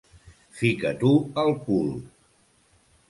Fica-t'ho al cul!